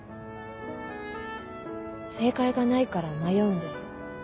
正解がないから迷うんです。